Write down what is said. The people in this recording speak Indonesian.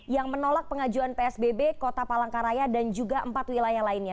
yang menolak pengajuan psbb kota palangkaraya dan juga empat wilayah lainnya